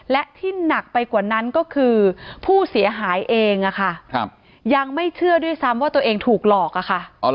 และที่หนักไปกว่านั้นก็คือผู้เสียหายเองค่ะยังไม่เชื่อด้วยซ้ำว่าตัวเองถูกหลอกอะค่ะ